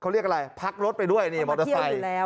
เขาเรียกอะไรพักรถไปด้วยนี่มอเตอร์ไซค์